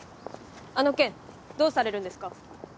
あの件どうされるんですか？